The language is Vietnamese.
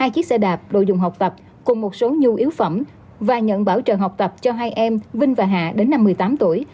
hai chiếc xe đạp đồ dùng học tập cùng một số nhu yếu phẩm và nhận bảo trợ học tập cho hai em vinh và hạ đến năm một mươi tám tuổi